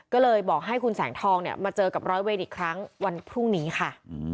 ก็เลยบอกให้คุณแสงทองเนี่ยมาเจอกับร้อยเวรอีกครั้งวันพรุ่งนี้ค่ะ